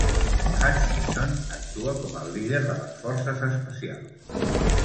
Hutchinson actua com el líder de les forces especials.